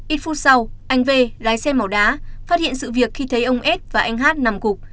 ít phút sau anh v lái xe mỏ đá phát hiện sự việc khi thấy ông s và anh hát nằm cục